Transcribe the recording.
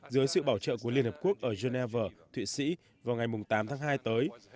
dưới sự bảo trợ của liên hợp quốc ở geneva thụy sĩ vào ngày tám tháng hai tới